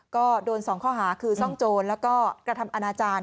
ก็โดน๒ข้อหาคือซ่องโจรแล้วก็กระทำอนาจารย์